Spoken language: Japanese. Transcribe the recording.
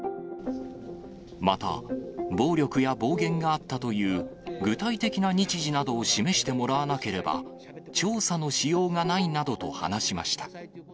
また、暴力や暴言があったという具体的な日時などを示してもらわなければ、調査のしようがないなどと話しました。